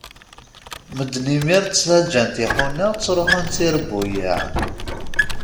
Medden imir ttaǧǧan tiḥuna, ttruḥun d tirbuyaε.